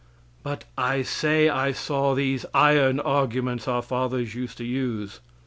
But I say I saw these iron arguments our fathers used to use.